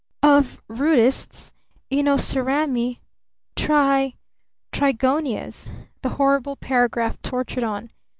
"Of Rudistes, Inocerami Tri Trigonias," the horrible paragraph tortured on